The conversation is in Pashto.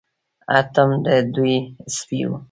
اتم د دوی سپی و.